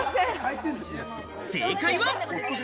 正解は。